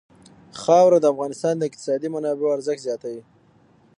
خاوره د افغانستان د اقتصادي منابعو ارزښت زیاتوي.